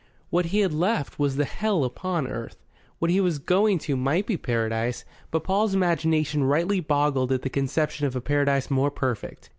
What he had left was the Hell upon Earth. What he was going to might be Paradise, but Paul's imagination rightly boggled at the conception of a Paradise more perfect.